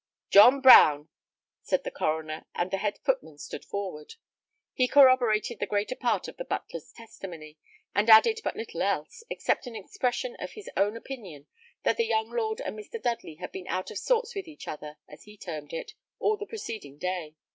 "John Brown!" said the coroner, and the head footman stood forward. He corroborated the greater part of the butler's testimony, and added but little else, except an expression of his own opinion that the young lord and Mr. Dudley had been out of sorts with each other, as he termed it, all the preceding day.